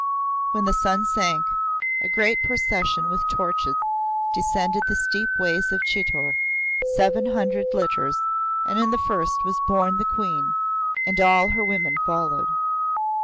When the sun sank, a great procession with torches descended the steep way of Chitor seven hundred litters, and in the first was borne the Queen, and all her women followed.